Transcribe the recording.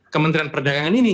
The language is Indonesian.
kementerian perdagangan ini